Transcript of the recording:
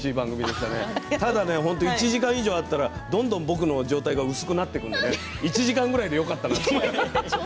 ただ１時間以上あったらどんどん僕の状態が薄くなってくるので１時間でよかったなって。